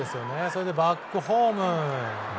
そして、バックホーム。